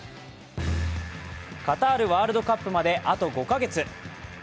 カタールワールドカップまであと５カ月。